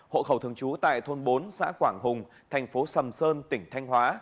hộ khẩu thường trú tại thôn bốn xã quảng hùng thành phố sầm sơn tỉnh thanh hóa